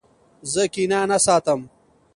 زه کینه نه ساتم.